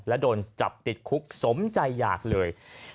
และโดนจับติดคุกสมใจอยากเลย